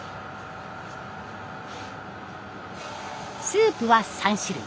スープは３種類。